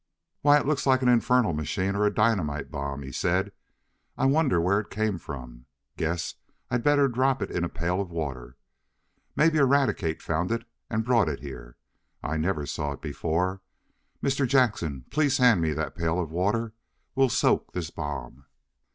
"Why, it looks like an infernal machine or a dynamite bomb," he said. "I wonder where it came from? Guess I'd better drop it in a pail of water. Maybe Eradicate found it and brought it here. I never saw it before. Mr. Jackson, please hand me that pail of water. We'll soak this bomb."